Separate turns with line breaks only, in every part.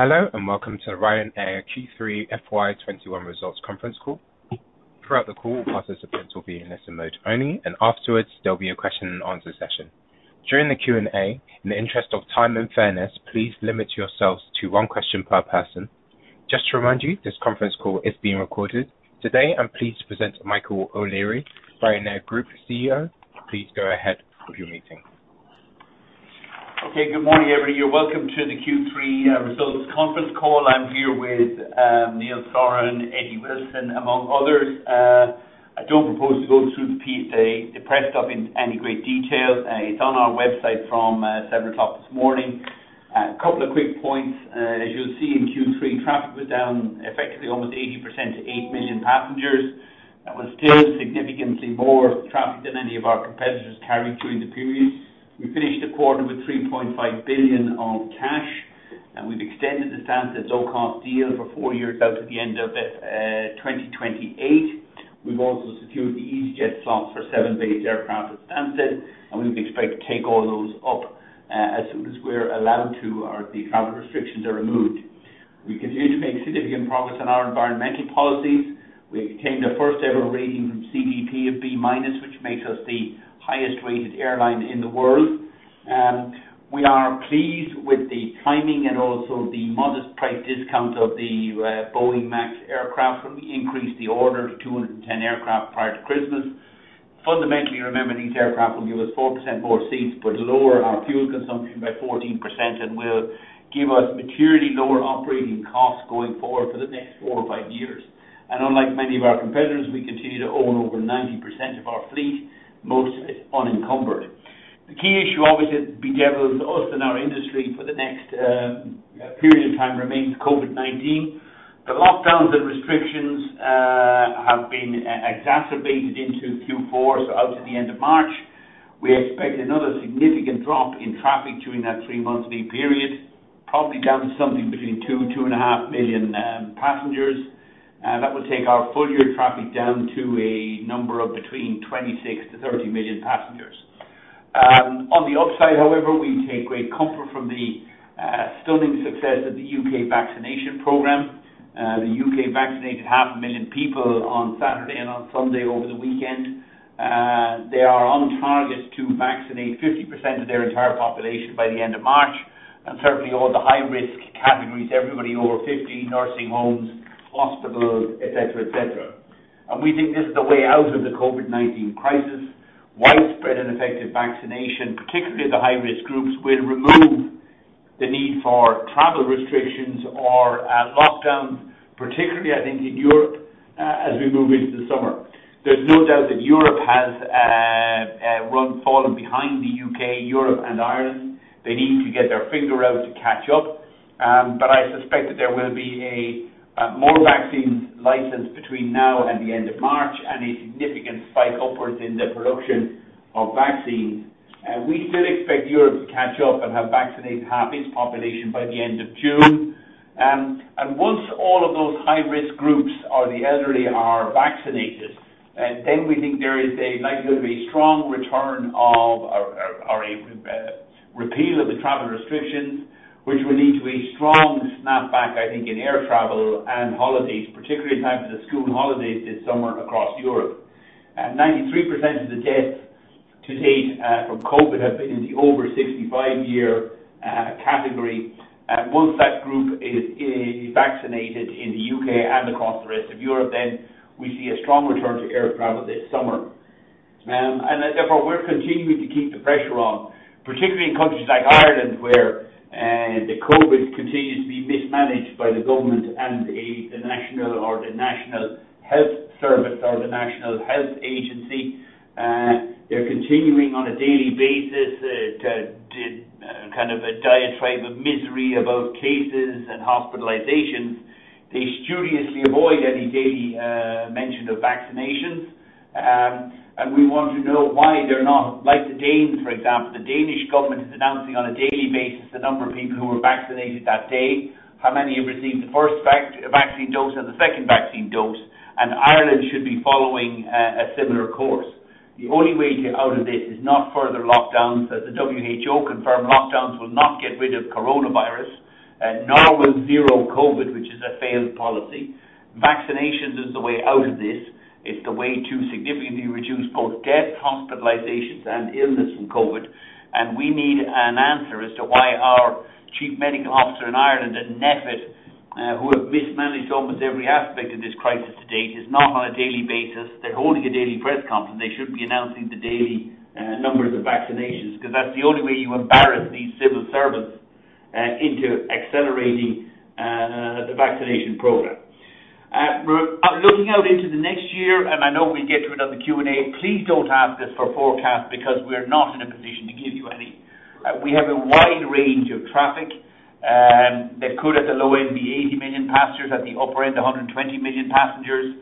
Hello, and welcome to the Ryanair Q3 FY 2021 results conference call. Throughout the call, participants will be in listen mode only, and afterwards, there will be a question and answer session. During the Q&A, in the interest of time and fairness, please limit yourselves to one question per person. Just to remind you, this conference call is being recorded. Today, I am pleased to present Michael O'Leary, Ryanair Group CEO. Please go ahead with your meeting.
Okay. Good morning, everyone. You're welcome to the Q3 results conference call. I'm here with Neil Sorahan, Eddie Wilson, among others. I don't propose to go through the press stuff in any great detail. It's on our website from seven o'clock this morning. A couple of quick points. As you'll see, in Q3, traffic was down effectively almost 80% to 8 million passengers. That was still significantly more traffic than any of our competitors carried during the period. We finished the quarter with 3.5 billion on cash, and we've extended the Stansted low-cost deal for four years out to the end of 2028. We've also secured the easyJet slots for seven base aircraft at Stansted, and we expect to take all those up as soon as we're allowed to or the travel restrictions are removed. We continue to make significant progress on our environmental policies. We obtained the first-ever rating from CDP of B-, which makes us the highest-rated airline in the world. We are pleased with the timing and also the modest price discount of the Boeing MAX aircraft. We increased the order to 210 aircraft prior to Christmas. Fundamentally, remember, these aircraft will give us 4% more seats but lower our fuel consumption by 14% and will give us materially lower operating costs going forward for the next four or five years. Unlike many of our competitors, we continue to own over 90% of our fleet, most unencumbered. The key issue obviously that bedevils us in our industry for the next period of time remains COVID-19. The lockdowns and restrictions have been exacerbated into Q4, so out to the end of March. We expect another significant drop in traffic during that three-monthly period, probably down to something between 2 million and 2.5 million passengers. That will take our full-year traffic down to a number of between 26 million-30 million passengers. On the upside, however, we take great comfort from the stunning success of the U.K. vaccination program. The U.K. vaccinated 500,000 people on Saturday and on Sunday over the weekend. They are on target to vaccinate 50% of their entire population by the end of March, and certainly all the high-risk categories, everybody over 50, nursing homes, hospitals, et cetera. We think this is the way out of the COVID-19 crisis. Widespread and effective vaccination, particularly the high-risk groups, will remove the need for travel restrictions or lockdowns, particularly, I think, in Europe as we move into the summer. There's no doubt that Europe has fallen behind the U.K. Europe and Ireland, they need to get their finger out to catch up. I suspect that there will be more vaccines licensed between now and the end of March and a significant spike upwards in the production of vaccines. We still expect Europe to catch up and have vaccinated half its population by the end of June. Once all of those high-risk groups or the elderly are vaccinated, then we think there is a likelihood of a strong return of or a repeal of the travel restrictions, which will lead to a strong snapback, I think, in air travel and holidays, particularly in times of the school holidays this summer across Europe. 93% of the deaths to date from COVID-19 have been in the over 65-year category. Once that group is vaccinated in the U.K. and across the rest of Europe, we see a strong return to air travel this summer. Therefore, we're continuing to keep the pressure on, particularly in countries like Ireland, where the COVID continues to be mismanaged by the government and the National Health Service or the National Health Agency. They're continuing on a daily basis to kind of a diatribe of misery about cases and hospitalizations. They studiously avoid any daily mention of vaccinations. We want to know why they're not like the Danes, for example. The Danish government is announcing on a daily basis the number of people who were vaccinated that day, how many have received the first vaccine dose and the second vaccine dose. Ireland should be following a similar course. The only way out of this is not further lockdowns, as the WHO confirmed lockdowns will not get rid of coronavirus, nor will zero COVID, which is a policy. Vaccinations is the way out of this. It's the way to significantly reduce both deaths, hospitalizations, and illness from COVID. We need an answer as to why our chief medical officer in Ireland at NPHET who have mismanaged almost every aspect of this crisis to date, is not on a daily basis. They're holding a daily press conference. They should be announcing the daily numbers of vaccinations because that's the only way you embarrass these civil servants into accelerating the vaccination program. Looking out into the next year, I know we'll get to it on the Q&A, please don't ask us for forecasts because we're not in a position to give you any. We have a wide range of traffic that could, at the low end, be 80 million passengers, at the upper end, 120 million passengers.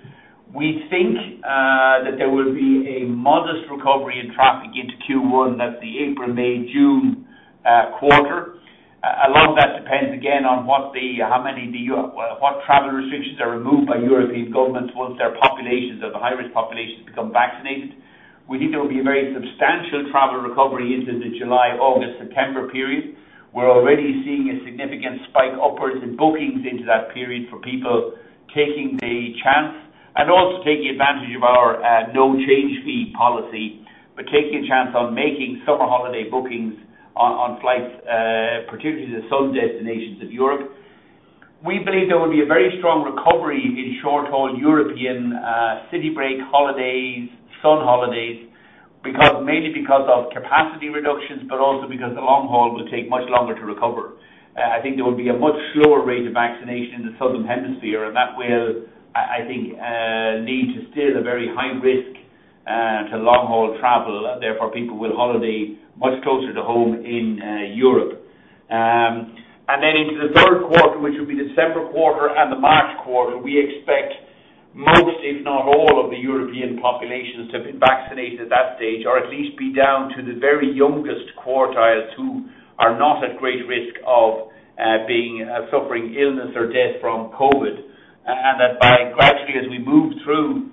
We think that there will be a modest recovery in traffic into Q1. That's the April, May, June quarter. A lot of that depends, again, on what travel restrictions are removed by European governments once their populations of the high-risk populations become vaccinated. We think there will be a very substantial travel recovery into the July, August, September period. We're already seeing a significant spike upwards in bookings into that period for people taking the chance and also taking advantage of our no change fee policy, but taking a chance on making summer holiday bookings on flights, particularly to the sun destinations of Europe. We believe there will be a very strong recovery in short-haul European city break holidays, sun holidays, mainly because of capacity reductions, but also because the long haul will take much longer to recover. I think there will be a much slower rate of vaccination in the Southern Hemisphere. That will, I think, lead to still a very high risk to long-haul travel. Therefore, people will holiday much closer to home in Europe. Into the third quarter, which will be December quarter and the March quarter, we expect most, if not all of the European populations to have been vaccinated at that stage, or at least be down to the very youngest quartiles who are not at great risk of suffering illness or death from COVID. That by gradually as we move through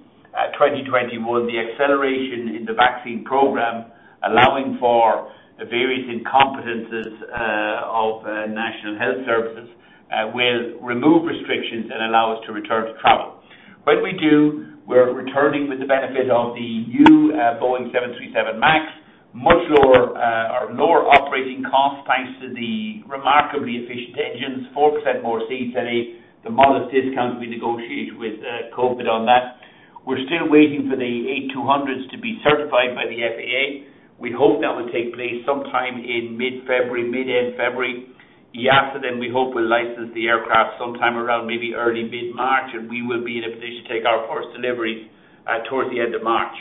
2021, the acceleration in the vaccine program, allowing for the various incompetences of national health services will remove restrictions and allow us to return to travel. When we do, we're returning with the benefit of the new Boeing 737 MAX, much lower operating costs thanks to the remarkably efficient engines, 4% more seats than a modest discount we negotiated with COVID on that. We're still waiting for the 8-200s to be certified by the FAA. We hope that will take place sometime in mid-February. EASA we hope will license the aircraft sometime around maybe early mid-March, and we will be in a position to take our first delivery towards the end of March.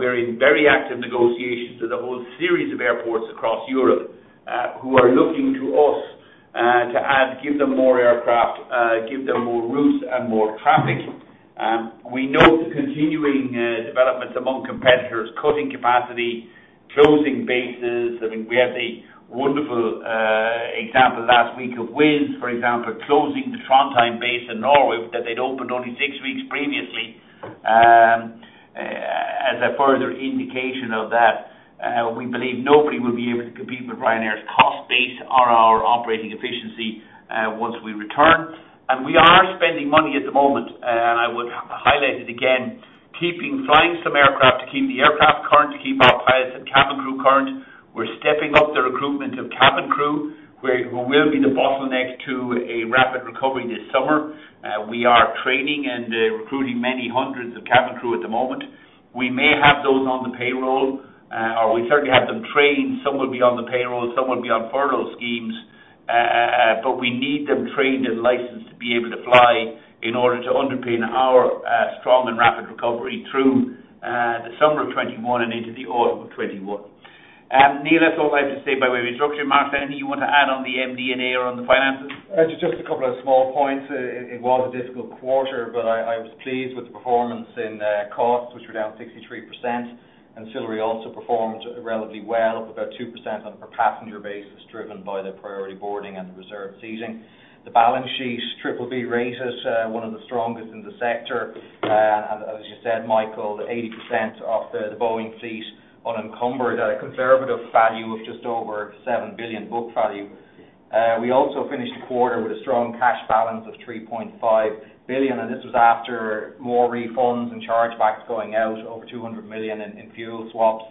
We're in very active negotiations with a whole series of airports across Europe who are looking to us to give them more aircraft, give them more routes and more traffic. We note the continuing developments among competitors, cutting capacity, closing bases. I think we had the wonderful example last week of Wizz, for example, closing the Trondheim base in Norway that they'd opened only six weeks previously as a further indication of that. We believe nobody will be able to compete with Ryanair's cost base or our operating efficiency once we return. We are spending money at the moment. I would highlight it again, keeping flying some aircraft to keep the aircraft current, to keep our pilots and cabin crew current. We're stepping up the recruitment of cabin crew, who will be the bottleneck to a rapid recovery this summer. We are training and recruiting many hundreds of cabin crew at the moment. We may have those on the payroll, or we certainly have them trained. Some will be on the payroll, some will be on furlough schemes. We need them trained and licensed to be able to fly in order to underpin our strong and rapid recovery through the summer of 2021 and into the autumn of 2021. Neil, that's all I have to say by way of introduction. Mark, anything you want to add on the MD&A or on the finances?
Just a couple of small points. It was a difficult quarter. I was pleased with the performance in costs, which were down 63%. Ancillary also performed relatively well, up about 2% on a per passenger basis, driven by the priority boarding and the reserve seating. The balance sheet BBB rate is one of the strongest in the sector. As you said, Michael, the 80% of the Boeing fleet unencumbered at a conservative value of just over 7 billion book value. We also finished the quarter with a strong cash balance of 3.5 billion, and this was after more refunds and chargebacks going out over 200 million in fuel swaps,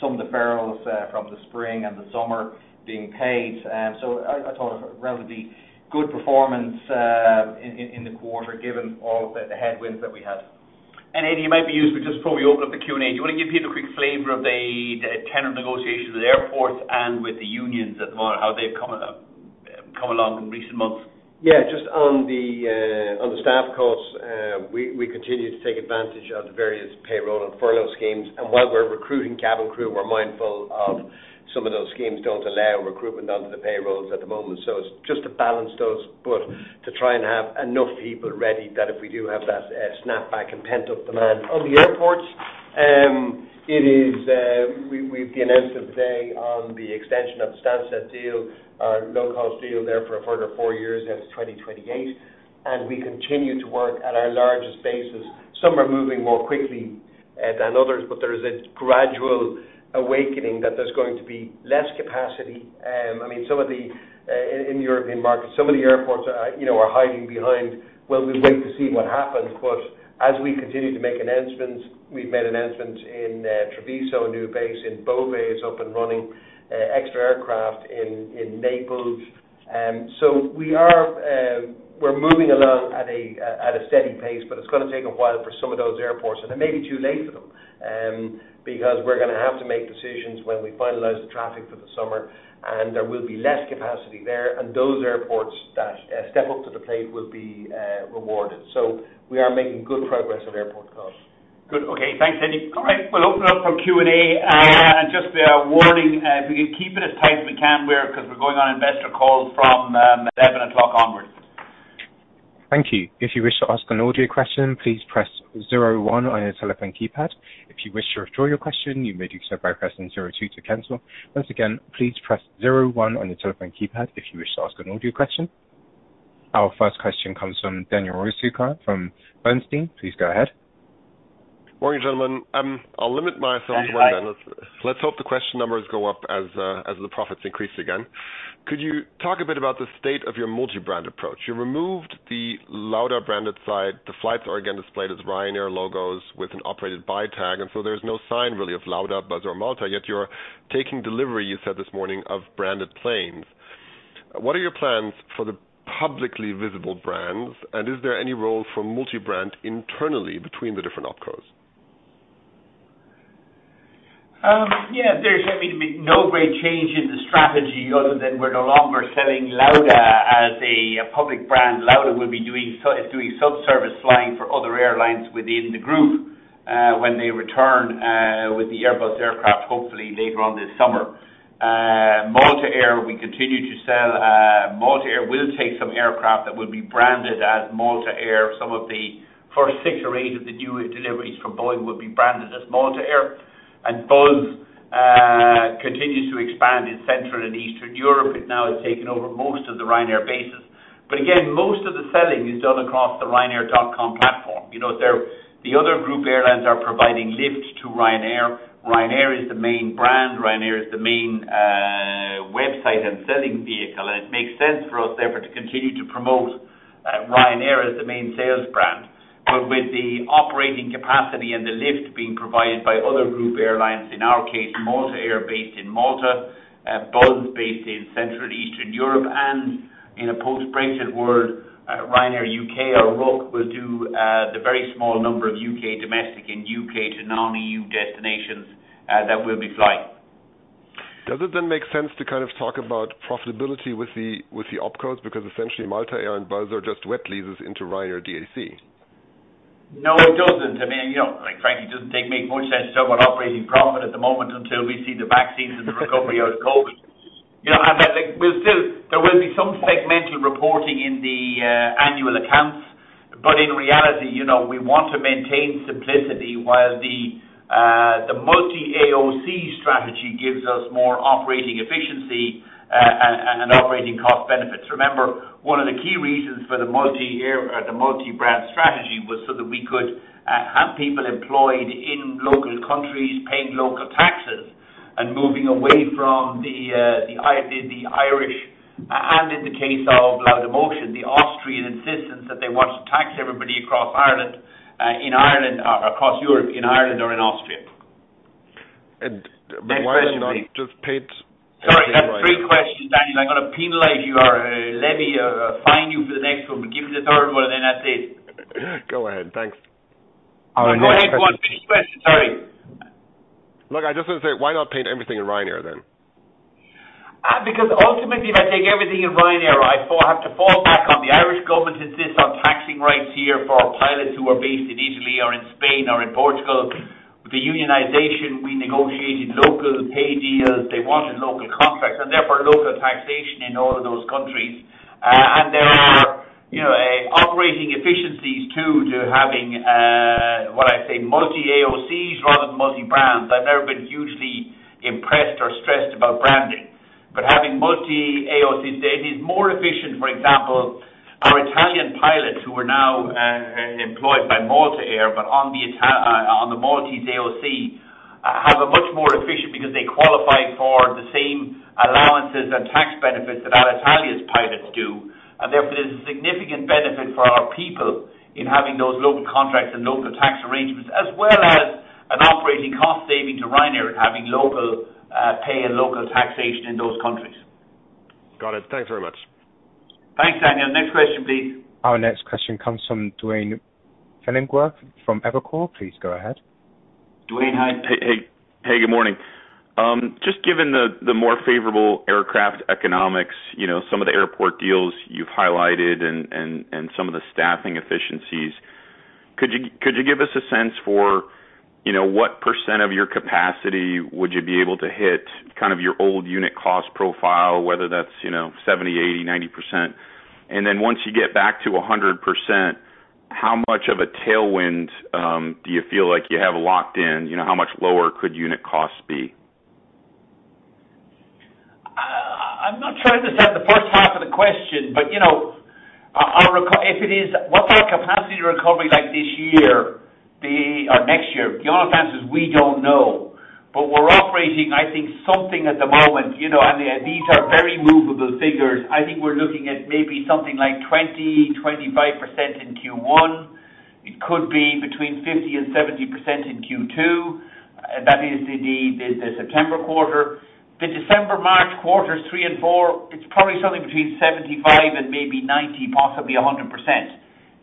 some of the furloughs from the spring and the summer being paid. I thought a relatively good performance in the quarter given all of the headwinds that we had.
Eddie, you might be used to this before we open up the Q&A. Do you want to give people a quick flavor of the tenor negotiations with airports and with the unions at the moment, how they've come along in recent months?
Yeah, just on the staff costs, we continue to take advantage of the various payroll and furlough schemes. While we're recruiting cabin crew, we're mindful of some of those schemes don't allow recruitment onto the payrolls at the moment. It's just to balance those, but to try and have enough people ready that if we do have that snap back and pent-up demand. On the airports, we've the announcement today on the extension of the Stansted deal, our low-cost deal there for a further four years as 2028. We continue to work at our largest bases. Some are moving more quickly than others, but there is a gradual awakening that there's going to be less capacity. In the European market, some of the airports are hiding behind while we wait to see what happens. As we continue to make announcements, we've made announcements in Treviso, a new base in Beauvais up and running, extra aircraft in Naples. We're moving along at a steady pace, but it's going to take a while for some of those airports, and it may be too late for them. We're going to have to make decisions when we finalize the traffic for the summer, and there will be less capacity there. Those airports that step up to the plate will be rewarded. We are making good progress with airport costs.
Good. Okay. Thanks, Eddie. All right. We'll open up for Q&A. Just a warning, if we can keep it as tight as we can because we're going on investor calls from 11 o'clock onwards.
Thank you. If you wish to ask an audio question, please press zero one on your telephone keypad. If you wish to withdraw your question, you may do so by pressing zero two to cancel. Once again, please press zero one on your telephone keypad if you wish to ask an audio question. Our first question comes from Daniel Roeska from Bernstein. Please go ahead.
Morning, gentlemen. I'll limit myself to one then. Let's hope the question numbers go up as the profits increase again. Could you talk a bit about the state of your multi-brand approach? You removed the Lauda branded side. The flights are again displayed as Ryanair logos with an operated by tag, there's no sign really of Lauda, Buzz or Malta Air yet you're taking delivery, you said this morning, of branded planes. What are your plans for the publicly visible brands and is there any role for multi-brand internally between the different opcos?
Yes, there's no great change in the strategy other than we're no longer selling Lauda as a public brand. Lauda is doing sub-service flying for other airlines within the group, when they return with the Airbus aircraft, hopefully later on this summer. Malta Air, we continue to sell. Malta Air will take some aircraft that will be branded as Malta Air. Some of the first six or eight of the new deliveries from Boeing will be branded as Malta Air. Buzz continues to expand in Central and Eastern Europe. It now has taken over most of the Ryanair bases. Again, most of the selling is done across the ryanair.com platform. The other group airlines are providing lift to Ryanair. Ryanair is the main brand. Ryanair is the main website and selling vehicle, and it makes sense for us therefore to continue to promote Ryanair as the main sales brand. With the operating capacity and the lift being provided by other group airlines, in our case, Malta Air based in Malta, Buzz based in Central Eastern Europe, and in a post-Brexit world, Ryanair UK or RUK will do the very small number of U.K. domestic and U.K. to non-EU destinations that we'll be flying.
Does it then make sense to talk about profitability with the opcos? Essentially Malta Air and Buzz are just wet leases into Ryanair DAC.
No, it doesn't. Frankly, it doesn't make much sense to talk about operating profit at the moment until we see the vaccines and the recovery out of COVID. There will be some segmental reporting in the annual accounts. In reality, we want to maintain simplicity while the multi-AOC strategy gives us more operating efficiency and operating cost benefits. Remember, one of the key reasons for the multi-brand strategy was so that we could have people employed in local countries paying local taxes and moving away from the Irish, and in the case of Laudamotion, the Austrian insistence that they want to tax everybody across Europe, in Ireland or in Austria.
Why not just?
Sorry, that's three questions, Daniel. I'm going to penalize you or levy a fine you for the next one. Give me the third one, that's it.
Go ahead. Thanks.
Our next question.
No, go ahead with the question. Sorry.
Look, I just want to say, why not paint everything in Ryanair then?
Ultimately, if I take everything in Ryanair, I have to fall back on the Irish government insists on taxing rights here for pilots who are based in Italy or in Spain or in Portugal. With the unionization, we negotiated local pay deals. They wanted local contracts and therefore local taxation in all of those countries. There are operating efficiencies too to having what I say multi-AOCs rather than multi-brands. I've never been hugely impressed or stressed about branding. Having multi-AOCs, it is more efficient. For example, our Italian pilots who are now employed by Malta Air, but on the Maltese AOC are much more efficient because they qualify for the same allowances and tax benefits that Alitalia's pilots do. Therefore, there's a significant benefit for our people in having those local contracts and local tax arrangements, as well as an operating cost saving to Ryanair having local pay and local taxation in those countries.
Got it. Thanks very much.
Thanks, Daniel. Next question, please.
Our next question comes from Duane Pfennigwerth from Evercore. Please go ahead.
Duane, hi. Hey, good morning. Just given the more favorable aircraft economics, some of the airport deals you've highlighted and some of the staffing efficiencies, could you give us a sense for what percent of your capacity would you be able to hit your old unit cost profile, whether that's 70%, 80%, 90%? Once you get back to 100%, how much of a tailwind do you feel like you have locked in? How much lower could unit costs be?
I'm not sure I understand the first half of the question. What our capacity recovery this year or next year, the honest answer is we don't know. We're operating, I think something at the moment, and these are very movable figures. I think we're looking at maybe something like 20%, 25% in Q1. It could be between 50% and 70% in Q2. That is the September quarter. The December, March quarters three and four, it's probably something between 75% and maybe 90%, possibly 100%.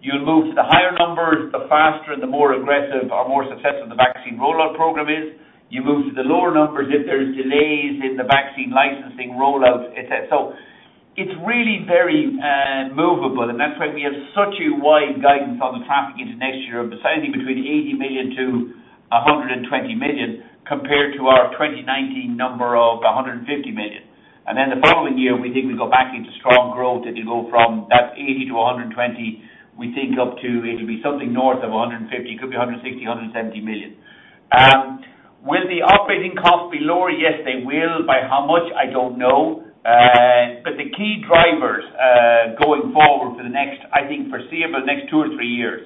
You'll move to the higher numbers the faster and the more aggressive or more successful the vaccine rollout program is. You move to the lower numbers if there's delays in the vaccine licensing rollout, et cetera. It's really very movable, and that's why we have such a wide guidance on the traffic into next year of sizing between 80 million-120 million compared to our 2019 number of 150 million. The following year, we think we go back into strong growth. It'll go from that 80 million-120 million, we think up to it'll be something north of 150. It could be 160 million, 170 million. Operating costs be lower? Yes, they will. By how much? I don't know. The key drivers going forward for the next, I think foreseeable next two or three years.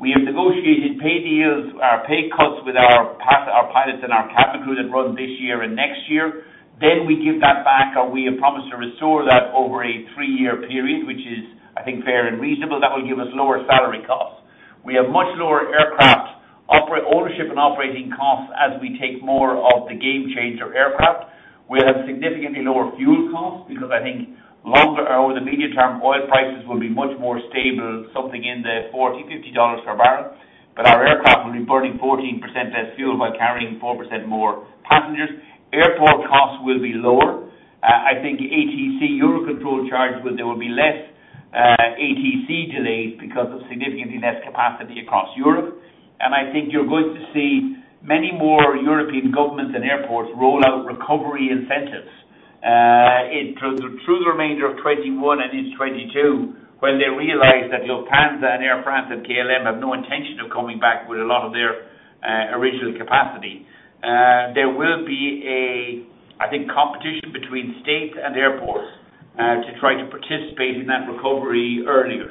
We have negotiated pay deals, pay cuts with our pilots and our cabin crew that run this year and next year. We give that back, or we have promised to restore that over a three-year period, which is, I think, fair and reasonable. That will give us lower salary costs. We have much lower aircraft ownership and operating costs as we take more of the Gamechanger aircraft. We'll have significantly lower fuel costs because I think over the medium term, oil prices will be much more stable, something in the EUR 40, EUR 50 per barrel. Our aircraft will be burning 14% less fuel while carrying 4% more passengers. Airport costs will be lower. I think ATC EUROCONTROL charge, there will be less ATC delays because of significantly less capacity across Europe. I think you're going to see many more European governments and airports roll out recovery incentives. Through the remainder of 2021 and into 2022, when they realize that Lufthansa and Air France and KLM have no intention of coming back with a lot of their original capacity. There will be a, I think, competition between states and airports to try to participate in that recovery earlier.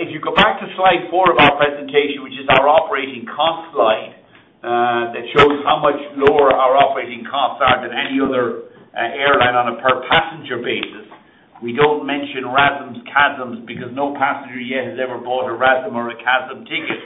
If you go back to slide four of our presentation, which is our operating cost slide. That shows how much lower our operating costs are than any other airline on a per passenger basis. We don't mention RASMs, CASMs because no passenger yet has ever bought a RASM or a CASM ticket.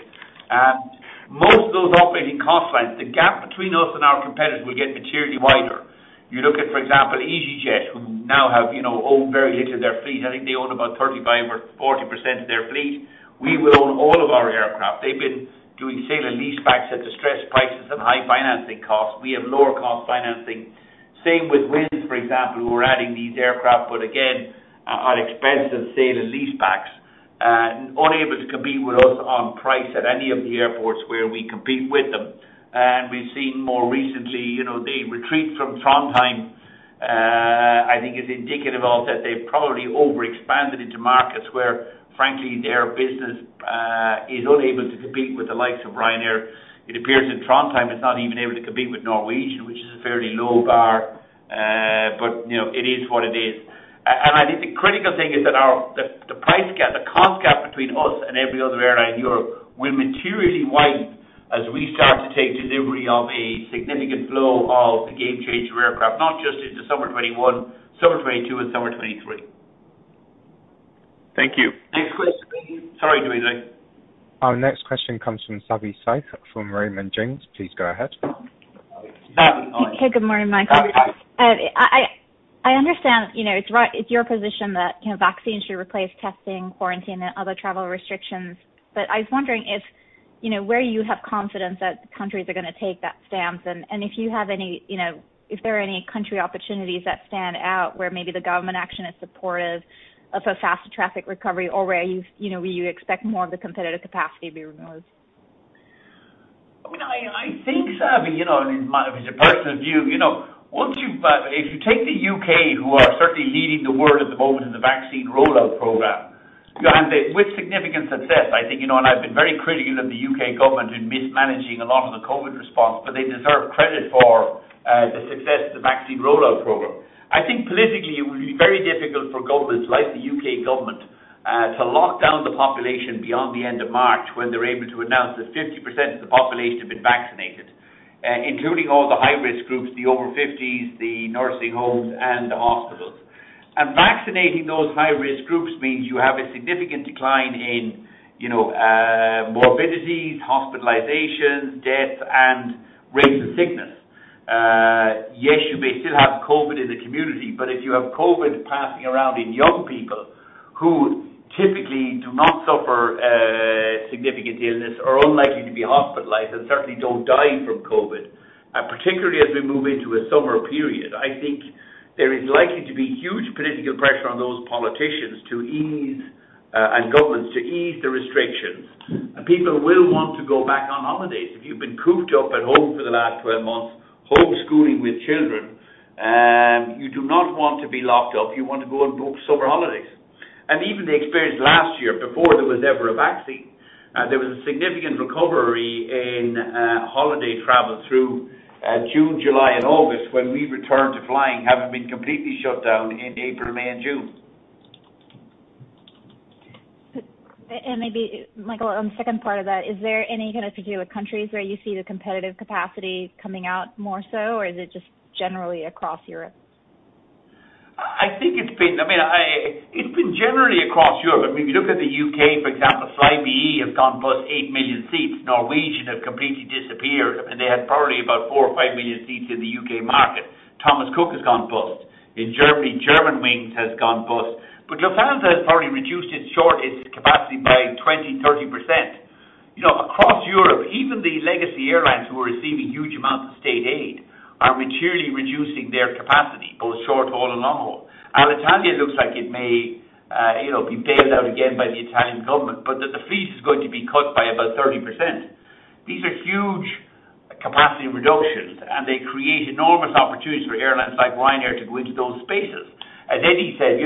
Most of those operating cost lines, the gap between us and our competitors will get materially wider. You look at, for example, easyJet, who now have owned very little of their fleet. I think they own about 35% or 40% of their fleet. We will own all of our aircraft. They've been doing sale and leasebacks at distressed prices and high financing costs. We have lower cost financing. Same with Wizz, for example, who are adding these aircraft, but again, on expensive sale and leasebacks. Unable to compete with us on price at any of the airports where we compete with them. We've seen more recently, the retreat from Trondheim I think is indicative of that they've probably overexpanded into markets where, frankly, their business is unable to compete with the likes of Ryanair. It appears in Trondheim it's not even able to compete with Norwegian, which is a fairly low bar. It is what it is. I think the critical thing is that the cost gap between us and every other airline in Europe will materially widen as we start to take delivery of a significant flow of the Gamechanger aircraft, not just into summer 2021, summer 2022, and summer 2023.
Thank you.
Next question. Sorry.
Our next question comes from Savi Syth from Raymond James. Please go ahead.
Hey, good morning, Michael. I understand it's your position that vaccines should replace testing, quarantine, and other travel restrictions. I was wondering if where you have confidence that countries are going to take that stance, and if there are any country opportunities that stand out where maybe the government action is supportive of a faster traffic recovery or where you expect more of the competitive capacity be removed?
I think, Savi, it's a personal view. If you take the U.K., who are certainly leading the world at the moment in the vaccine rollout program and with significant success. I think, and I've been very critical of the U.K. government in mismanaging a lot of the COVID response, they deserve credit for the success of the vaccine rollout program. I think politically, it will be very difficult for governments like the U.K. government to lock down the population beyond the end of March when they're able to announce that 50% of the population have been vaccinated. Including all the high-risk groups, the over 50s, the nursing homes, and the hospitals. Vaccinating those high-risk groups means you have a significant decline in morbidities, hospitalizations, deaths, and rates of sickness. Yes, you may still have COVID in the community, but if you have COVID passing around in young people who typically do not suffer significant illness, are unlikely to be hospitalized, and certainly don't die from COVID. Particularly as we move into a summer period. I think there is likely to be huge political pressure on those politicians and governments to ease the restrictions. People will want to go back on holidays. If you've been cooped up at home for the last 12 months homeschooling with children, you do not want to be locked up. You want to go and book summer holidays. Even the experience last year, before there was ever a vaccine, there was a significant recovery in holiday travel through June, July, and August when we returned to flying, having been completely shut down in April, May, and June.
Maybe, Michael, on the second part of that, is there any kind of particular countries where you see the competitive capacity coming out more so? Is it just generally across Europe?
I think it's been generally across Europe. If you look at the U.K., for example, Flybe have gone bust 8 million seats. Norwegian have completely disappeared, and they had probably about 4 million or 5 million seats in the U.K. market. Thomas Cook has gone bust. In Germany, Germanwings has gone bust. Lufthansa has probably reduced its capacity by 20%-30%. Across Europe, even the legacy airlines who are receiving huge amounts of state aid are materially reducing their capacity, both short haul and long haul. Alitalia looks like it may be bailed out again by the Italian government, but the fleet is going to be cut by about 30%. These are huge capacity reductions, and they create enormous opportunities for airlines like Ryanair to go into those spaces. As Eddie said,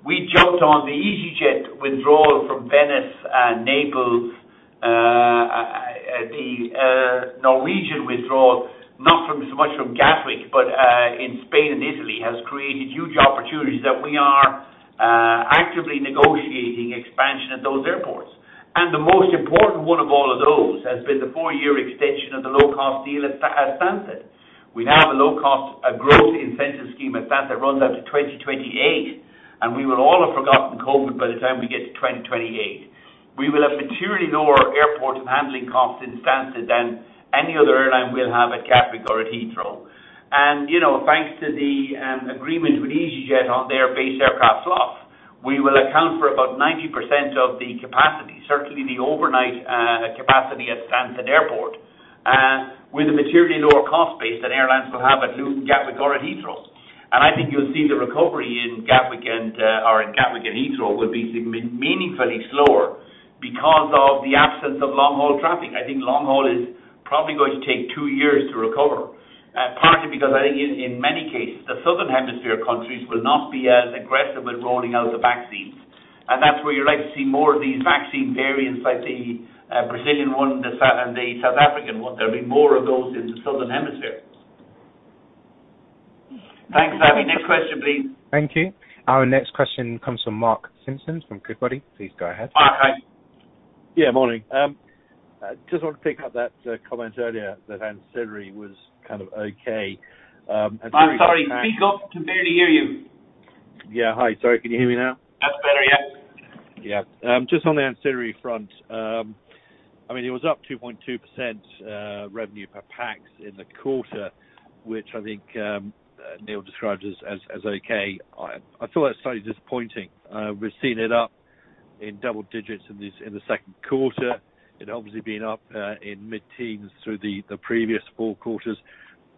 we jumped on the easyJet withdrawal from Venice and Naples. The Norwegian withdrawal, not so much from Gatwick, but in Spain and Italy, has created huge opportunities that we are actively negotiating expansion at those airports. The most important one of all of those has been the four-year extension of the low-cost deal at Stansted. We now have a low-cost growth incentive scheme at Stansted runs out to 2028, and we will all have forgotten COVID by the time we get to 2028. We will have materially lower airport and handling costs in Stansted than any other airline will have at Gatwick or at Heathrow. Thanks to the agreement with easyJet on their base aircraft slot, we will account for about 90% of the capacity, certainly the overnight capacity at Stansted Airport, with a materially lower cost base than airlines will have at Luton, Gatwick, or at Heathrow. I think you'll see the recovery in Gatwick and Heathrow will be significantly slower because of the absence of long-haul traffic. I think long-haul is probably going to take two years to recover, partly because I think in many cases, the southern hemisphere countries will not be as aggressive with rolling out the vaccines. That's where you're likely to see more of these vaccine variants like the Brazilian one and the South African one. There'll be more of those in the southern hemisphere. Thanks, Savi. Next question, please.
Thank you. Our next question comes from Mark Simpson from Goodbody. Please go ahead.
Mark, hi.
Yeah, morning. I just want to pick up that comment earlier that ancillary was kind of okay.
I'm sorry, speak up. Can barely hear you.
Yeah. Hi, sorry. Can you hear me now?
That's better, yes.
Just on the ancillary front. It was up 2.2% revenue per pax in the quarter, which I think Neil described as okay. I thought that was slightly disappointing. We've seen it up in double digits in the second quarter, it obviously been up in mid-teens through the previous four quarters.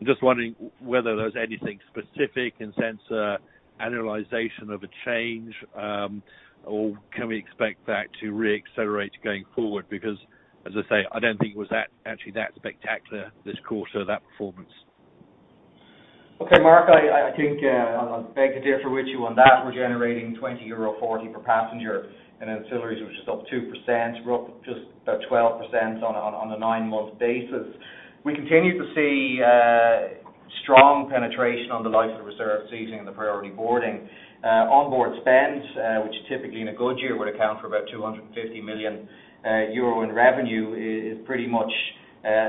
I'm just wondering whether there's anything specific in since our annualization of a change, or can we expect that to re-accelerate going forward? As I say, I don't think it was actually that spectacular this quarter, that performance.
Okay, Mark, I think I beg to differ with you on that. We're generating 20.40 euro per passenger, and ancillaries were just up 2%, were up just about 12% on a nine-month basis. We continue to see strong penetration on the likes of reserve seating the priority board. Onboard spend, which typically in a good year would account for about 250 million euro in revenue, is pretty much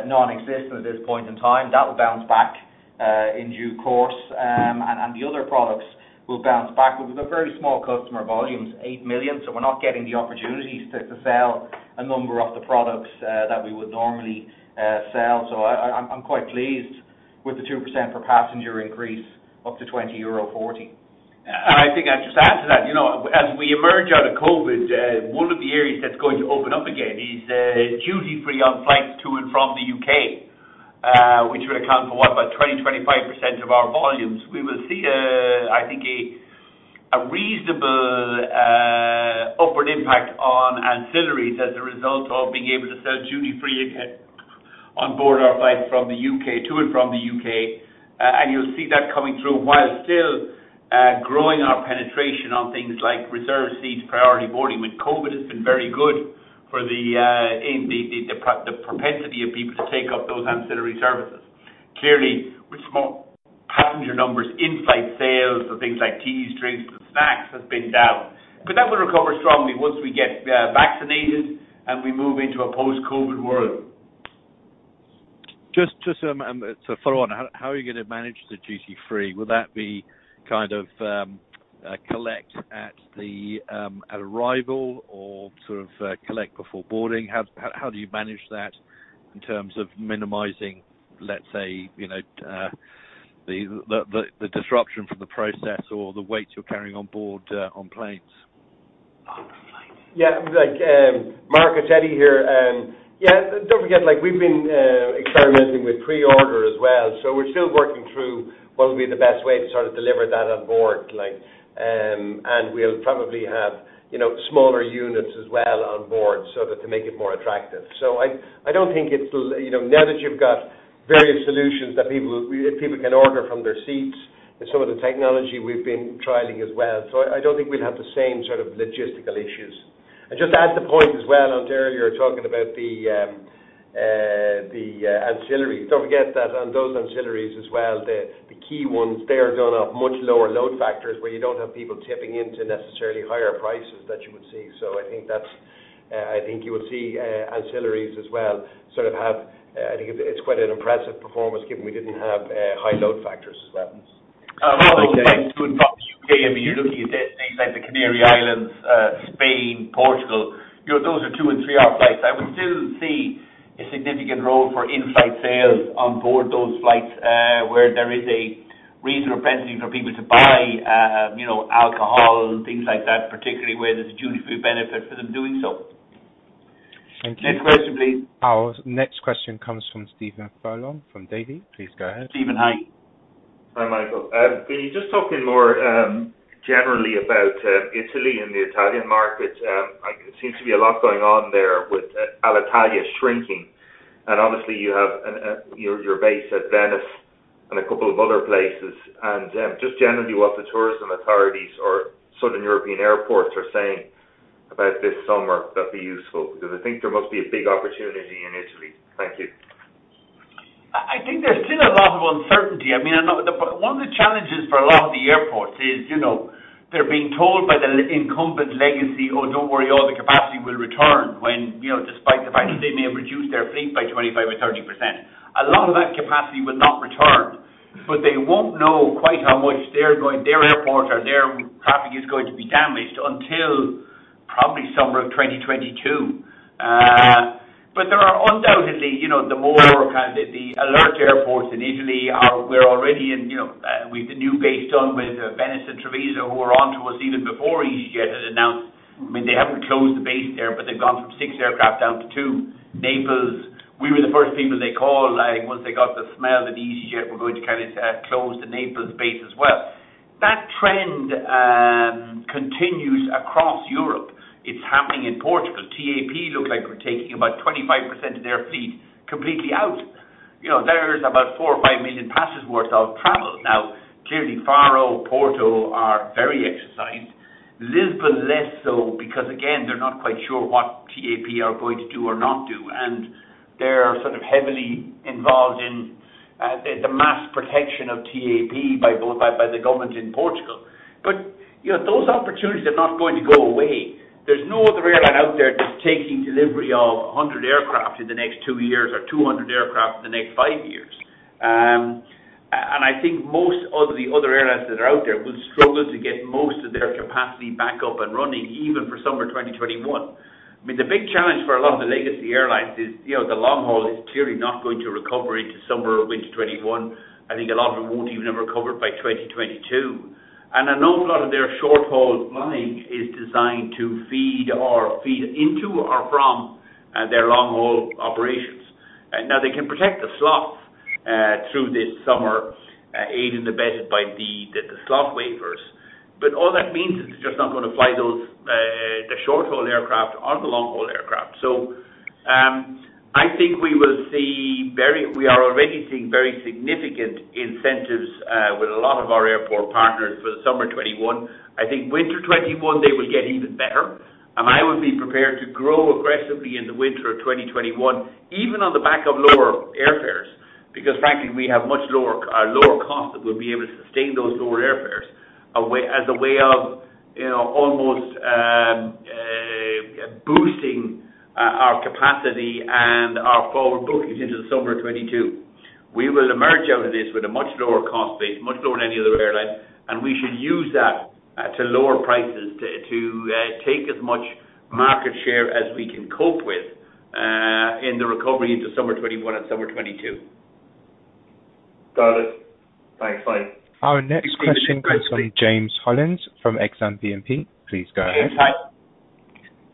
nonexistent at this point in time. That will bounce back in due course. The other products will bounce back. We've got very small customer volumes, 8 million, so we're not getting the opportunities to sell a number of the products that we would normally sell. I'm quite pleased with the 2% per passenger increase up to 20.40 euro.
I think I'd just add to that. As we emerge out of COVID, one of the areas that's going to open up again is duty free on flights to and from the U.K., which would account for what? About 20%-25% of our volumes. We will see, I think, a reasonable upward impact on ancillaries as a result of being able to sell duty free again on board our flights from the U.K., to and from the U.K. You'll see that coming through while still growing our penetration on things like reserve seats, priority boarding. COVID has been very good for the propensity of people to take up those ancillary services. Clearly, with small passenger numbers, in-flight sales for things like teas, drinks, and snacks has been down. That will recover strongly once we get vaccinated and we move into a post-COVID world.
Just to follow on, how are you going to manage the duty free? Will that be kind of collect at arrival or sort of collect before boarding? How do you manage that in terms of minimizing, let's say, the disruption from the process or the weight you're carrying on board on planes?
Yeah. Mark, it's Eddie here. Yeah, don't forget, we've been experimenting with pre-order as well. We're still working through what will be the best way to sort of deliver that on board. We'll probably have smaller units as well on board, so to make it more attractive. Now that you've got various solutions that people can order from their seats and some of the technology we've been trialing as well. I don't think we'll have the same sort of logistical issues. Just to add to the point as well on earlier, talking about the ancillaries. Don't forget that on those ancillaries as well, the key ones, they are done at much lower load factors where you don't have people chipping in to necessarily higher prices that you would see. I think you will see ancillaries as well sort of, I think it's quite an impressive performance given we didn't have high load factors as well. On those flights to and from the U.K., you're looking at destinations like the Canary Islands, Spain, Portugal. Those are two and three-hour flights. I would still see a significant role for in-flight sales on board those flights, where there is a real propensity for people to buy alcohol and things like that, particularly where there's a duty-free benefit for them doing so.
Thank you.
Next question, please.
Our next question comes from Stephen Furlong from Davy. Please go ahead.
Stephen, hi.
Hi, Michael. Can you just talk more generally about Italy and the Italian market? There seems to be a lot going on there with Alitalia shrinking. Obviously you have your base at Venice and a couple of other places. Just generally what the tourism authorities or Southern European airports are saying about this summer, that'd be useful, because I think there must be a big opportunity in Italy. Thank you.
I think there's still a lot of uncertainty. One of the challenges for a lot of the airports is they're being told by the incumbent legacy, oh, don't worry. All the capacity will return. Despite the fact that they may have reduced their fleet by 25% or 30%. A lot of that capacity will not return, but they won't know quite how much their airports or their traffic is going to be damaged until probably summer of 2022. There are undoubtedly, the more kind of the alert airports in Italy we're already in with the new base done with Venice and Treviso, who were onto us even before easyJet had announced. They haven't closed the base there, but they've gone from six aircraft down to two. Naples, we were the first people they called once they got the smell that easyJet were going to kind of close the Naples base as well. That trend continues across Europe. It is happening in Portugal. TAP look like we are taking about 25% of their fleet completely out. There is about 4 million or 5 million passengers' worth of travel. Now, clearly Faro, Porto are very exercised. Lisbon less so because again, they are not quite sure what TAP are going to do or not do, and they are sort of heavily involved in the mass protection of TAP by the government in Portugal. Those opportunities are not going to go away. There is no other airline out there that is taking delivery of 100 aircraft in the next two years or 200 aircraft in the next five years. I think most of the other airlines that are out there will struggle to get most of their capacity back up and running even for summer 2021. The big challenge for a lot of the legacy airlines is the long haul is clearly not going to recover into summer or winter 2021. I think a lot of them won't even have recovered by 2022. An awful lot of their short-haul flying is designed to feed or feed into or from their long-haul operations. They can protect the slots through this summer aided and abetted by the slot waivers. All that means is they're just not going to fly the short-haul aircraft or the long-haul aircraft. I think we are already seeing very significant incentives with a lot of our airport partners for the summer 2021. I think winter 2021 they will get even better, and I would be prepared to grow aggressively in the winter of 2021, even on the back of lower airfares. Frankly, we have much lower cost that we'll be able to sustain those lower airfares as a way of almost boosting our capacity and our forward bookings into the summer of 2022. We will emerge out of this with a much lower cost base, much lower than any other airline, and we should use that to lower prices to take as much market share as we can cope with in the recovery into summer 2021 and summer 2022.
Got it. Thanks. Bye.
Our next question comes from James Hollins from Exane BNP. Please go ahead.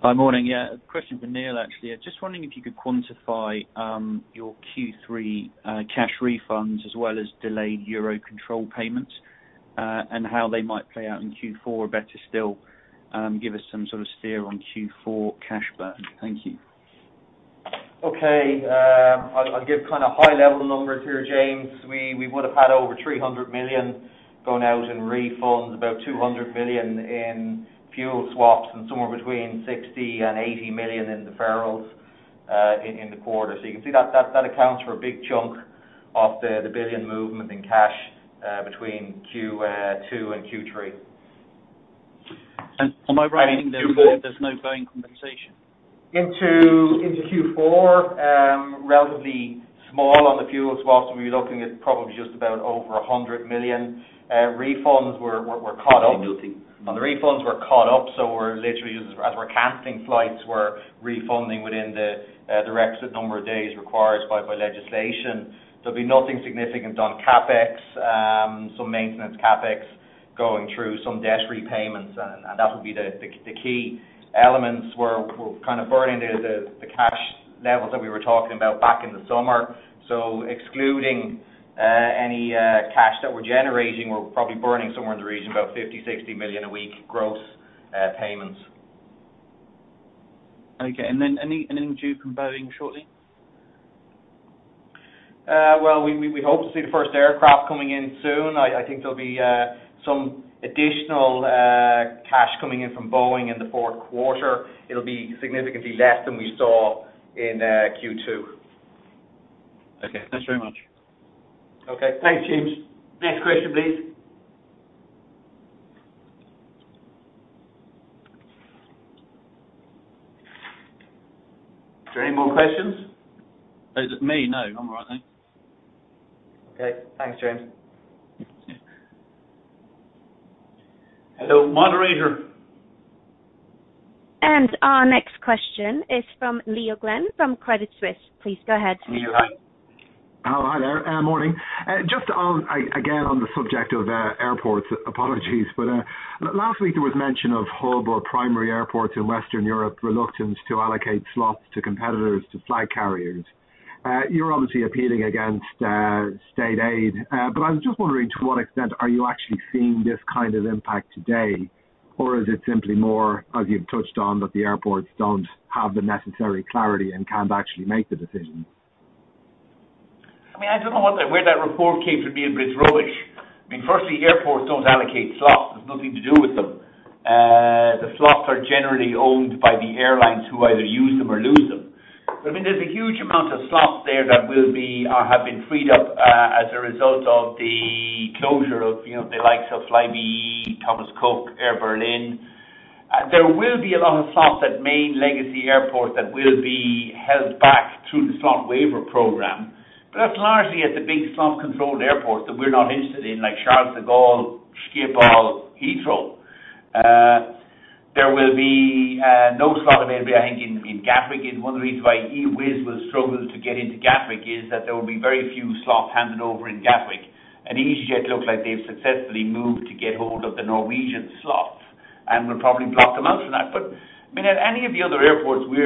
James, hi.
Hi. Morning. Yeah. A question for Neil, actually. I'm just wondering if you could quantify your Q3 cash refunds as well as delayed EUROCONTROL payments, and how they might play out in Q4, or better still give us some sort of steer on Q4 cash burn. Thank you.
Okay. I'll give kind of high-level numbers here, James. We would've had over 300 million going out in refunds, about 200 million in fuel swaps, and somewhere between 60 million and 80 million in deferrals in the quarter. You can see that accounts for a big chunk of the billion movement in cash between Q2 and Q3.
Am I right in thinking there's no Boeing compensation?
Into Q4, relatively small on the fuel swaps. We're looking at probably just about over 100 million. Refunds were caught up.
Nothing.
On the refunds we're caught up, so we're literally as we're canceling flights, we're refunding within the requisite number of days required by legislation. There'll be nothing significant on CapEx. Some maintenance CapEx going through, some debt repayments, and that would be the key elements. We're kind of burning the cash levels that we were talking about back in the summer. Excluding any cash that we're generating, we're probably burning somewhere in the region about 50 million-60 million a week gross payments.
Okay. Then any into from Boeing shortly?
Well, we hope to see the first aircraft coming in soon. I think there'll be some additional cash coming in from Boeing in the fourth quarter. It'll be significantly less than we saw in Q2.
Okay. Thanks very much.
Okay. Thanks, James.
Next question, please. Is there any more questions?
Is it me? No, I'm all right now.
Okay. Thanks, James.
Hello, moderator.
Our next question is from Neil Glynn from Credit Suisse. Please go ahead.
Neil, hi.
Hi there. Morning. Just again, on the subject of airports. Apologies, but last week there was mention of hub or primary airports in Western Europe reluctance to allocate slots to competitors, to flag carriers. You're obviously appealing against state aid. I was just wondering to what extent are you actually seeing this kind of impact today? Is it simply more, as you've touched on, that the airports don't have the necessary clarity and can't actually make the decision?
I don't know where that report came from, but it's rubbish. Firstly, airports don't allocate slots. It's nothing to do with them. The slots are generally owned by the airlines who either use them or lose them. There's a huge amount of slots there that have been freed up as a result of the closure of the likes of Flybe, Thomas Cook, Air Berlin. There will be a lot of slots at main legacy airports that will be held back through the slot waiver program, but that's largely at the big slot-controlled airports that we're not interested in, like Charles de Gaulle, Schiphol, Heathrow. There will be no slot available, I think, in Gatwick. One of the reasons why Wizz will struggle to get into Gatwick is that there will be very few slots handed over in Gatwick. easyJet looks like they’ve successfully moved to get hold of the Norwegian slots and will probably block them out from that. At any of the other airports we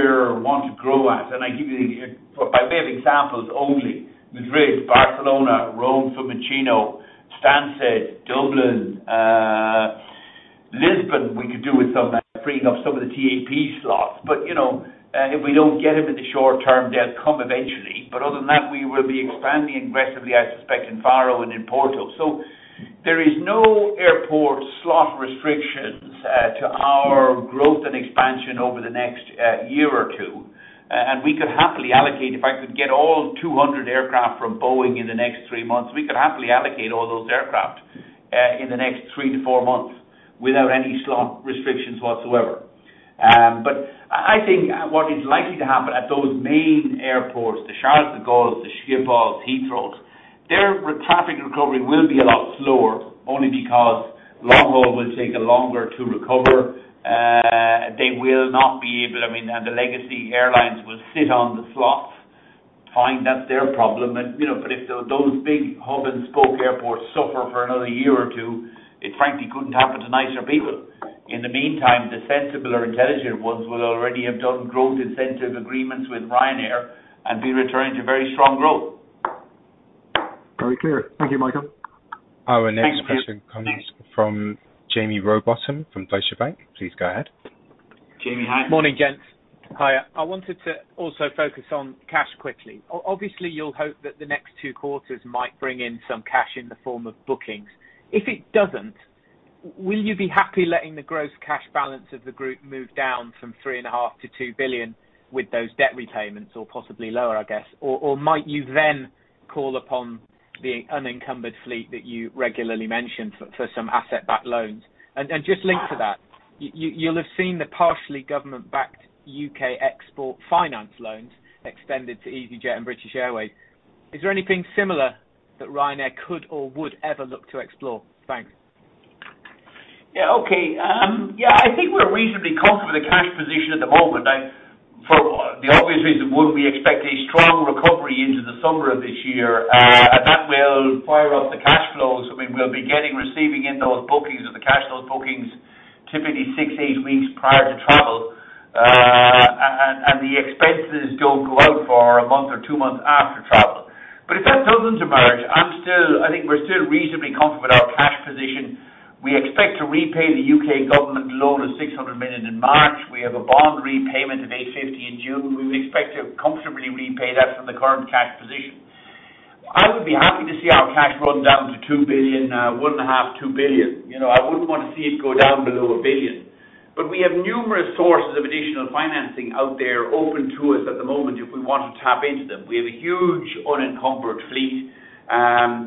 want to grow at, and I give you by way of examples only, Madrid, Barcelona, Rome, Fiumicino, Stansted, Dublin. Lisbon, we could do with some freeing up some of the TAP slots. If we don’t get them in the short term, they’ll come eventually. Other than that, we will be expanding aggressively, I suspect, in Faro and in Porto. There is no airport slot restrictions to our growth and expansion over the next year or two. We could happily allocate, if I could get all 200 aircraft from Boeing in the next three months, we could happily allocate all those aircraft in the next three to four months without any slot restrictions whatsoever. I think what is likely to happen at those main airports, the Charles de Gaulle, the Schiphol, Heathrow, their traffic recovery will be a lot slower, only because long-haul will take longer to recover. The legacy airlines will sit on the slots. Fine, that's their problem. If those big hub and spoke airports suffer for another year or two, it frankly couldn't happen to nicer people. In the meantime, the sensible or intelligent ones will already have done growth incentive agreements with Ryanair and be returning to very strong growth.
Very clear. Thank you, Michael.
Our next question comes from Jaime Rowbotham from Deutsche Bank. Please go ahead.
Jaime, hi.
Morning, gents. Hi. I wanted to also focus on cash quickly. You'll hope that the next two quarters might bring in some cash in the form of bookings. If it doesn't, will you be happy letting the gross cash balance of the group move down from 3.5 billion to 2 billion with those debt repayments or possibly lower, I guess? Might you then call upon the unencumbered fleet that you regularly mention for some asset-backed loans? Just linked to that, you'll have seen the partially government-backed UK Export Finance loans extended to easyJet and British Airways. Is there anything similar that Ryanair could or would ever look to explore? Thanks.
Okay. I think we're reasonably comfortable with the cash position at the moment. For the obvious reason, one, we expect a strong recovery into the summer of this year. That will fire up the cash flows. We'll be receiving in those bookings or the cash, those bookings typically six, eight weeks prior to travel. The expenses don't go out for a month or two months after travel. If that doesn't emerge, I think we're still reasonably comfortable with our cash position. We expect to repay the U.K. government loan of 600 million in March. We have a bond repayment of 850 in June. We expect to comfortably repay that from the current cash position. I would be happy to see our cash run down to 2 billion, 1.5 billion, 2 billion. I wouldn't want to see it go down below a billion. We have numerous sources of additional financing out there open to us at the moment if we want to tap into them. We have a huge unencumbered fleet.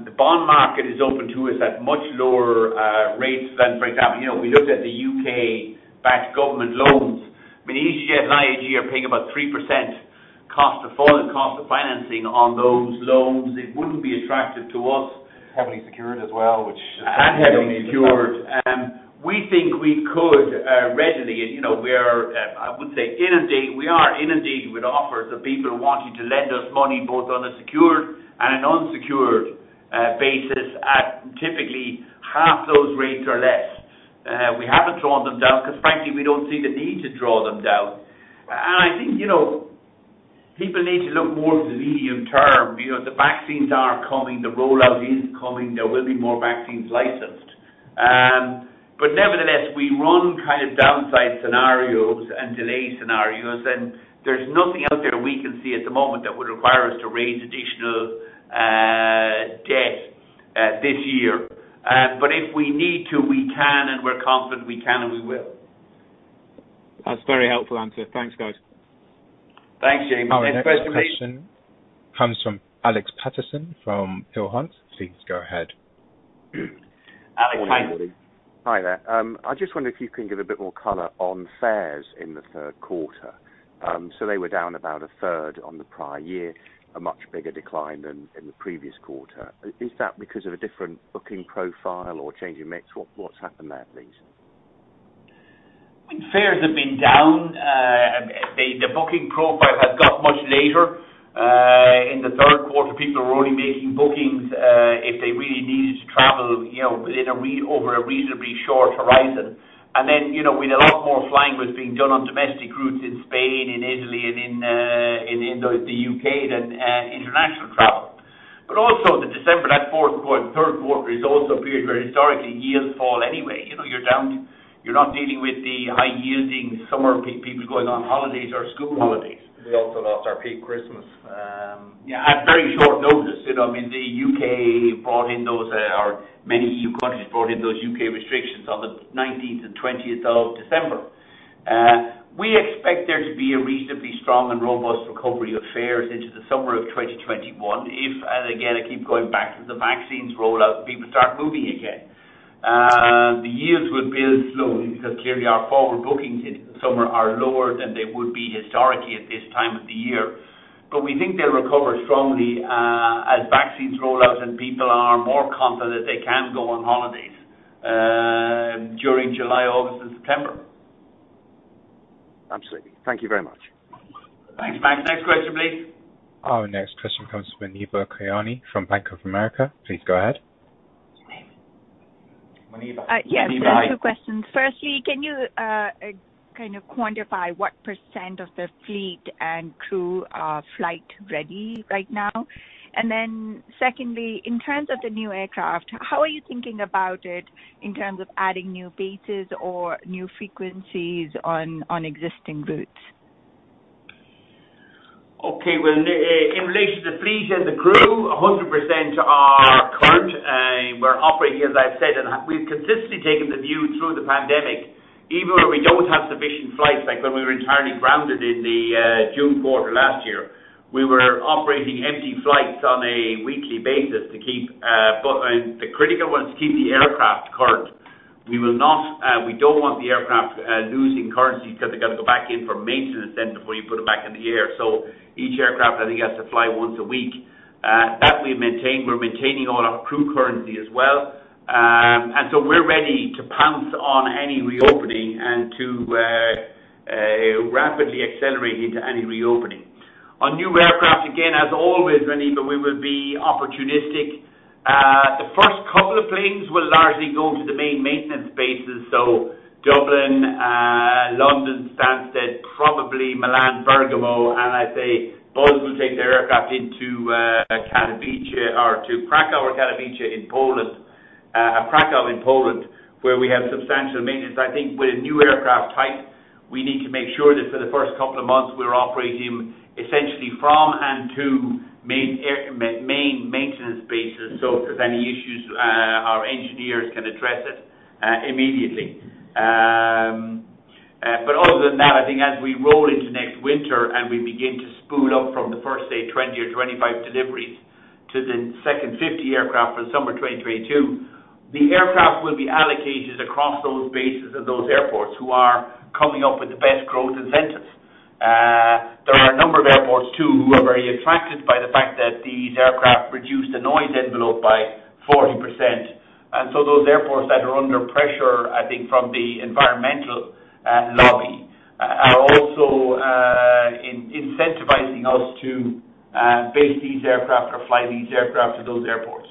The bond market is open to us at much lower rates than, for example, we looked at the U.K.-backed government loans. easyJet and IAG are paying about 3% cost of funding, cost of financing on those loans. It wouldn't be attractive to us.
Heavily secured as well.
Heavily secured. We think we could readily. I would say inundated. We are inundated with offers of people wanting to lend us money both on a secured and an unsecured basis at typically half those rates or less. We haven't drawn them down because frankly, we don't see the need to draw them down. I think people need to look more to the medium term. The vaccines are coming, the rollout is coming. There will be more vaccines licensed. Nevertheless, we run kind of downside scenarios and delay scenarios, and there's nothing out there we can see at the moment that would require us to raise additional debt this year. If we need to, we can, and we're confident we can, and we will.
That's a very helpful answer. Thanks, guys.
Thanks, Jaime. Next question please.
Our next question comes from Alex Paterson from Peel Hunt. Please go ahead.
Alex, hi.
Morning, everybody. Hi there. I just wonder if you can give a bit more color on fares in the third quarter. They were down about 1/3 on the prior year, a much bigger decline than in the previous quarter. Is that because of a different booking profile or changing mix? What's happened there, please?
Fares have been down. The booking profile has got much later. In the third quarter, people were only making bookings if they really needed to travel over a reasonably short horizon. With a lot more flying was being done on domestic routes in Spain, in Italy and in the U.K. than international travel. Third quarter is also a period where historically yields fall anyway. You're not dealing with the high-yielding summer people going on holidays or school holidays.
We also lost our peak Christmas.
At very short notice. The U.K. brought in those, or many EU countries brought in those U.K. restrictions on the 19th and 20th of December. We expect there to be a reasonably strong and robust recovery of fares into the summer of 2021. If, again, I keep going back to the vaccines roll out, people start moving again. The yields will build slowly because clearly our forward bookings into the summer are lower than they would be historically at this time of the year. We think they'll recover strongly as vaccines roll out and people are more confident that they can go on holidays during July, August and September.
Absolutely. Thank you very much.
Thanks, Alex. Next question, please.
Our next question comes from Muneeba Kayani from Bank of America. Please go ahead.
Muneeba.
Yes.
Muneeba, hi.
Two questions. Firstly, can you kind of quantify what percent of the fleet and crew are flight ready right now? Secondly, in terms of the new aircraft, how are you thinking about it in terms of adding new bases or new frequencies on existing routes?
Okay. Well, in relation to the fleet and the crew, 100% are current. We're operating as I've said, we've consistently taken the view through the pandemic, even when we don't have sufficient flights, like when we were entirely grounded in the June quarter last year. We were operating empty flights on a weekly basis to keep, the critical one, to keep the aircraft current. We don't want the aircraft losing currency because they've got to go back in for maintenance then before you put them back in the air. Each aircraft, I think, has to fly once a week. That we've maintained. We're maintaining all our crew currency as well. We're ready to pounce on any reopening and to rapidly accelerate into any reopening. On new aircraft, again, as always Muneeba we will be opportunistic. The first couple of planes will largely go to the main maintenance bases. Dublin, London Stansted, probably Milan Bergamo, and I'd say Buzz will take their aircraft into Katowice or to Kraków or Katowice in Poland. Kraków in Poland, where we have substantial maintenance. I think with a new aircraft type, we need to make sure that for the first couple of months, we're operating essentially from and to main maintenance bases. If there's any issues, our engineers can address it immediately. Other than that, I think as we roll into next winter and we begin to spool up from the first day, 20 or 25 deliveries to the second 50 aircraft for the summer 2022. The aircraft will be allocated across those bases and those airports who are coming up with the best growth incentives. There are a number of airports too who are very attracted by the fact that these aircraft reduce the noise envelope by 40%. Those airports that are under pressure, I think from the environmental lobby are also incentivizing us to base these aircraft or fly these aircraft to those airports.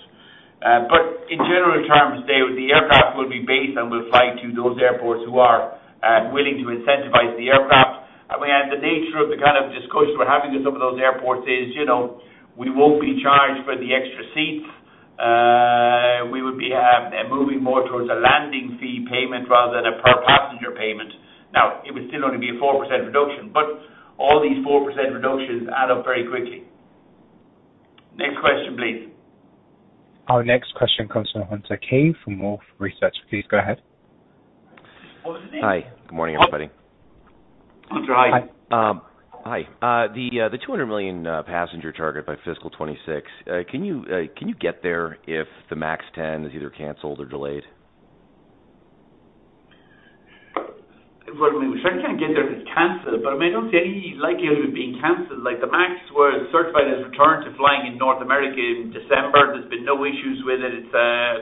In general terms, the aircraft will be based and will fly to those airports who are willing to incentivize the aircraft. The nature of the kind of discussions we're having with some of those airports is we won't be charged for the extra seats. We would be moving more towards a landing fee payment rather than a per passenger payment. Now, it would still only be a 4% reduction, but all these 4% reductions add up very quickly. Next question, please.
Our next question comes from Hunter Keay from Wolfe Research. Please go ahead.
Hi. Good morning, everybody.
Hunter, hi.
Hi. The 200 million passenger target by fiscal 2026. Can you get there if the MAX 10 is either canceled or delayed?
Well, we certainly can't get there if it's canceled, but I don't see any likelihood of it being canceled. The MAX was certified as return to flying in North America in December. There's been no issues with it. It's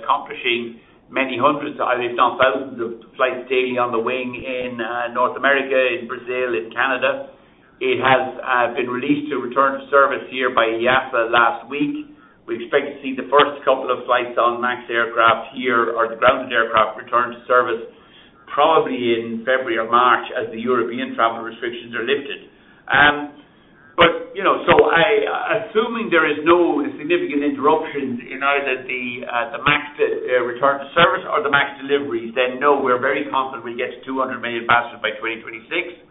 accomplishing many hundreds, if not thousands of flights daily on the wing in North America, in Brazil, in Canada. It has been released to return to service here by EASA last week. We expect to see the first couple of flights on MAX aircraft here or the grounded aircraft return to service probably in February or March as the European travel restrictions are lifted. Assuming there is no significant interruptions in either the MAX return to service or the MAX deliveries, then no, we're very confident we'll get to 200 million passengers by 2026.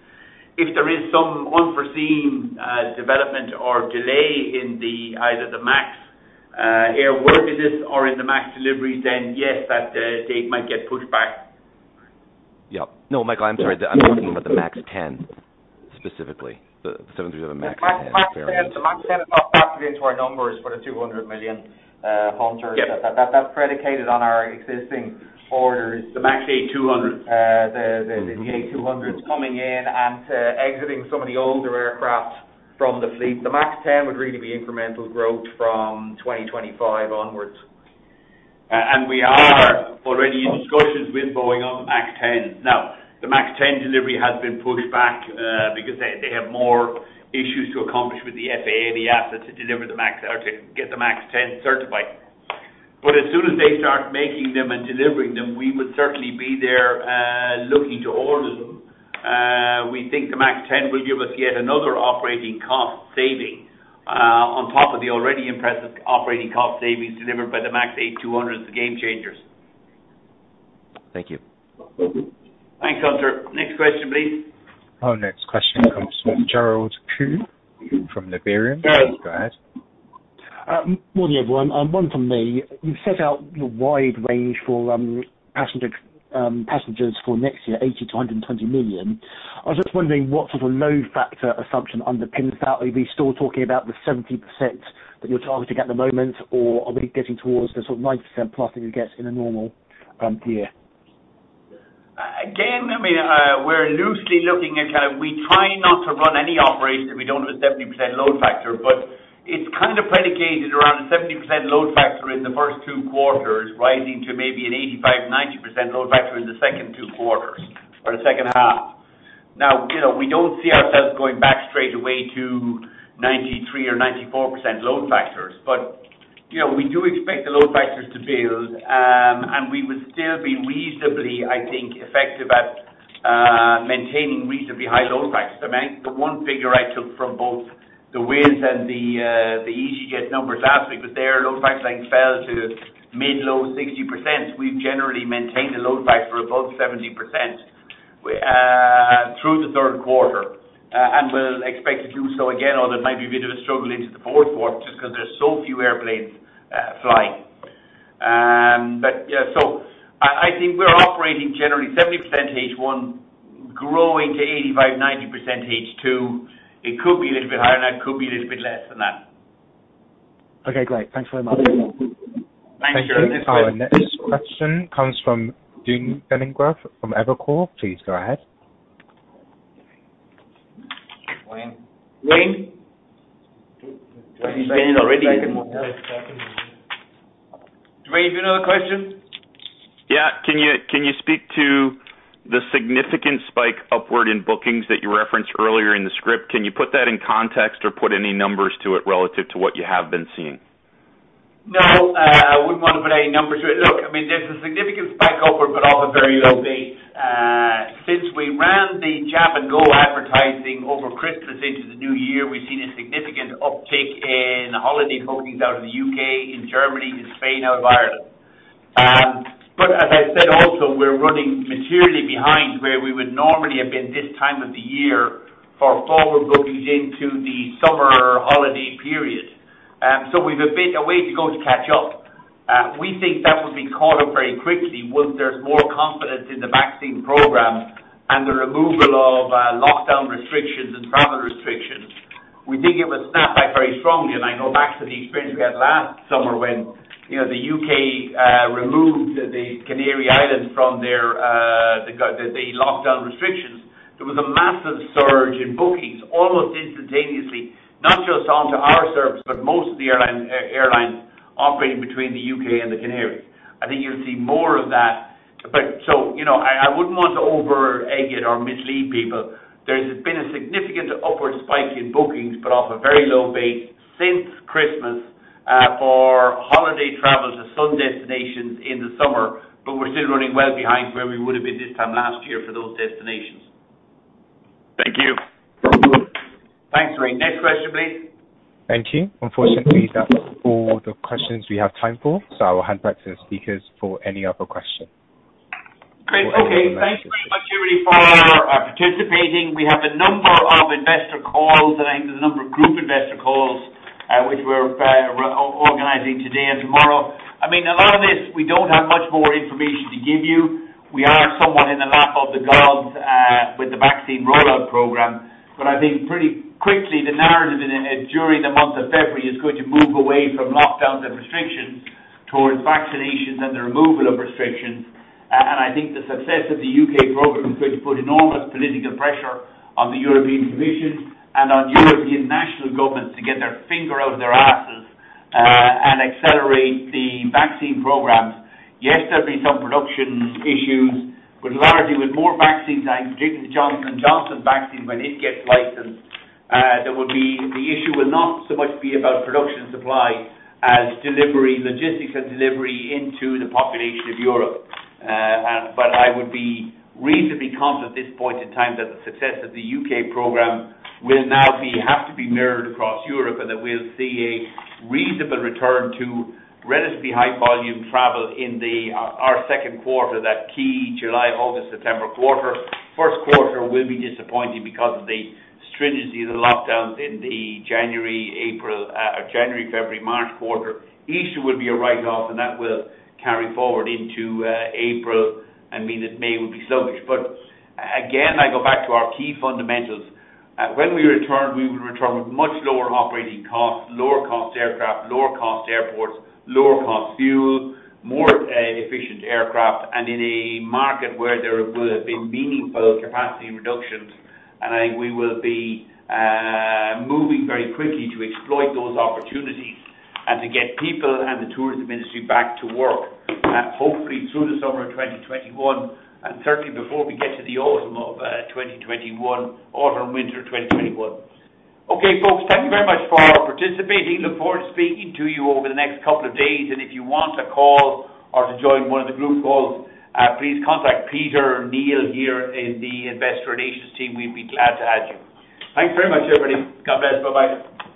If there is some unforeseen development or delay in either the MAX airworthiness or in the MAX deliveries, then yes, that date might get pushed back.
Yeah. No, Michael, I'm sorry. I'm talking about the MAX 10 specifically. The 737 MAX 10 variant.
The MAX 10 is not factored into our numbers for the 200 million, Hunter.
Yeah.
That's predicated on our existing orders.
The MAX 8-200s.
The 8-200s coming in and exiting some of the older aircraft from the fleet. The MAX 10 would really be incremental growth from 2025 onwards. We are already in discussions with Boeing on the MAX 10. The MAX 10 delivery has been pushed back because they have more issues to accomplish with the FAA and the EASA to get the MAX 10 certified. As soon as they start making them and delivering them, we would certainly be there looking to order them. We think the MAX 10 will give us yet another operating cost saving on top of the already impressive operating cost savings delivered by the MAX 8-200s Gamechangers.
Thank you.
Thanks, Hunter. Next question, please.
Our next question comes from Gerald Khoo from Liberum.
Gerald.
Go ahead.
Morning, everyone. One from me. You've set out your wide range for passengers for next year, 80 million-120 million. I was just wondering what sort of load factor assumption underpins that. Are we still talking about the 70% that you're targeting at the moment? Or are we getting towards the sort of 90%+ that you get in a normal year?
We're loosely looking at how we try not to run any operation if we don't have a 70% load factor. It's kind of predicated around a 70% load factor in the first two quarters, rising to maybe an 85%, 90% load factor in the second two quarters or the second half. We don't see ourselves going back straight away to 93% or 94% load factors. We do expect the load factors to build. We would still be reasonably, I think, effective at maintaining reasonably high load factors. The one figure I took from both the Wizz and the easyJet numbers last week was their load factor fell to mid-low 60%. We've generally maintained a load factor above 70% through the third quarter. We'll expect to do so again, although there might be a bit of a struggle into the fourth quarter just because there's so few airplanes flying. I think we're operating generally 70% H1, growing to 85%, 90% H2. It could be a little bit higher, and it could be a little bit less than that.
Okay, great. Thanks very much.
Thanks, Gerald.
Our next question comes from Duane Pfennigwerth from Evercore. Please go ahead.
Duane. Duane? Has he gone already? Duane, do you have a question?
Yeah. Can you speak to the significant spike upward in bookings that you referenced earlier in the script? Can you put that in context or put any numbers to it relative to what you have been seeing?
No, I wouldn't want to put any numbers to it. Look, there's a significant spike upward, but off a very low base. Since we ran the Jab & Go advertising over Christmas into the New Year, we've seen a significant uptick in holiday bookings out of the U.K., in Germany, in Spain, out of Ireland. As I said also, we're running materially behind where we would normally have been this time of the year for forward bookings into the summer holiday period. We've a bit a way to go to catch up. We think that would be caught up very quickly once there's more confidence in the vaccine program and the removal of lockdown restrictions and travel restrictions. We think it would snap back very strongly. I go back to the experience we had last summer when the U.K. removed the Canary Islands from the lockdown restrictions. There was a massive surge in bookings almost instantaneously, not just onto our service, but most of the airlines operating between the U.K. and the Canary. I think you'll see more of that. I wouldn't want to over-egg it or mislead people. There's been a significant upward spike in bookings, but off a very low base since Christmas for holiday travel to sun destinations in the summer. We're still running well behind where we would have been this time last year for those destinations.
Thank you.
Thanks, Duane. Next question, please.
Thank you. Unfortunately, that's all the questions we have time for. I'll hand back to the speakers for any other question.
Great. Okay. Thanks very much, everybody, for participating. We have a number of investor calls. I think there's a number of group investor calls, which we're organizing today and tomorrow. A lot of this, we don't have much more information to give you. We are somewhat in the lap of the gods with the vaccine rollout program. I think pretty quickly, the narrative during the month of February is going to move away from lockdowns and restrictions towards vaccinations and the removal of restrictions. I think the success of the U.K. program is going to put enormous political pressure on the European Commission and on European national governments to get their finger out of their asses, and accelerate the vaccine programs. Yes, there'll be some production issues, but largely with more vaccines, like particularly the Johnson & Johnson vaccine when it gets licensed. The issue will not so much be about production supply as delivery, logistics, and delivery into the population of Europe. I would be reasonably confident at this point in time that the success of the U.K. program will now have to be mirrored across Europe, and that we'll see a reasonable return to relatively high volume travel in our second quarter, that key July, August, September quarter. First quarter will be disappointing because of the stringency of the lockdowns in the January, February, March quarter. Easter will be a write-off, and that will carry forward into April, and mean that May will be sluggish. Again, I go back to our key fundamentals. When we return, we will return with much lower operating costs, lower cost aircraft, lower cost airports, lower cost fuel, more efficient aircraft, and in a market where there will have been meaningful capacity reductions. I think we will be moving very quickly to exploit those opportunities and to get people and the tourism industry back to work, hopefully through the summer of 2021, and certainly before we get to the autumn of 2021, autumn, winter 2021. Okay, folks, thank you very much for participating. Look forward to speaking to you over the next couple of days. If you want a call or to join one of the group calls, please contact Peter or Neil here in the investor relations team. We'd be glad to have you. Thanks very much, everybody. God bless. Bye-bye.